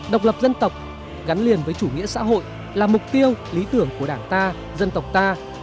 độc lập dân tộc gắn liền với chủ nghĩa xã hội là mục tiêu lý tưởng của đảng ta dân tộc ta